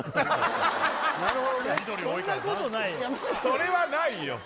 それはないよ